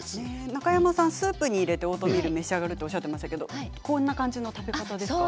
中山さんスープに入れてオートミール召し上がるっておっしゃってましたけどこんな感じの食べ方ですか？